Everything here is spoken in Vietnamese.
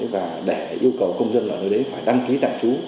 và để yêu cầu công dân ở nơi đấy phải đăng ký tạm trú